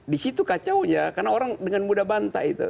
di situ kacau ya karena orang dengan muda bantai itu